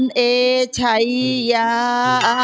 เมียเข้มนั้นเอ้ใช่ยา